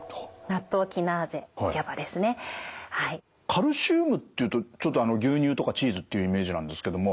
カルシウムっていうとちょっと牛乳とかチーズっていうイメージなんですけども。